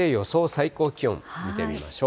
最高気温、見てみましょう。